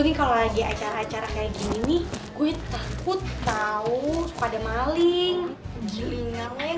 bakal aku li disturbing kamu kalian